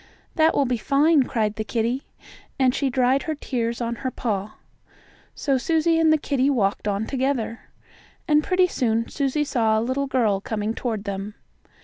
"That will be fine!" cried the kittie, and she dried her tears on her paw. So Susie and the kittie walked on together. And pretty soon Susie saw a little girl coming toward them.